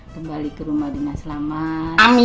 kembali ke rumah dinas selamat